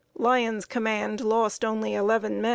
Lyon's command lost only eleven men.